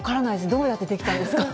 どうやって出来たんですか？